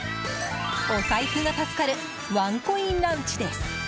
お財布が助かるワンコインランチです。